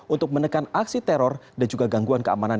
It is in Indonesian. untuk menekan aksi teror dan juga gangguan keamanan